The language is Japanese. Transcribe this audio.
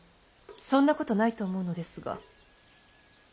そんなことないと思うのですが。